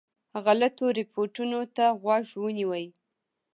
غلطو رپوټونو ته غوږ ونیوی.